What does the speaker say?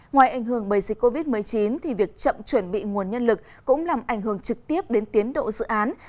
ngoài ảnh hưởng bởi dịch covid một mươi chín việc chậm chuẩn bị nguồn nhân lực cũng làm ảnh hưởng trực tiếp đến tiến độ dự án